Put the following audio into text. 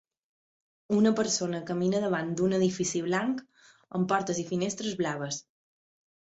Una persona camina davant d'un edifici blanc amb portes i finestres blaves.